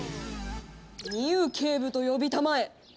ミウ警部と呼びたまえ。